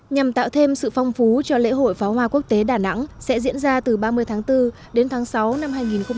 nhằm tạo thêm sự phong phú cho lễ hội pháo hoa quốc tế đà nẵng sẽ diễn ra từ ba mươi tháng bốn đến tháng sáu năm hai nghìn hai mươi